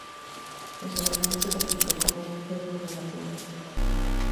En general, se calificó como un juego relativamente malo.